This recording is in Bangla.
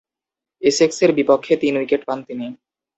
এসেক্সের বিপক্ষে তিন উইকেট পান তিনি।